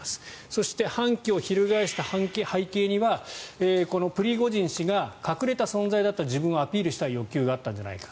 そして、反旗を翻した背景にはプリゴジン氏が隠れた存在だった自分をアピールしたい欲求があったんじゃないか。